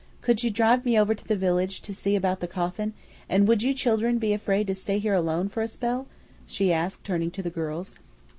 Could you drive me over to the village to see about the coffin, and would you children be afraid to stay here alone for a spell?" she asked, turning to the girls.